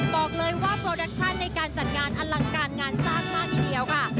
บอกเลยว่าโปรดักชั่นในการจัดงานอลังการงานสร้างมากทีเดียวค่ะ